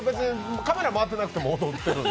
カメラ回ってなくても踊ってるんで。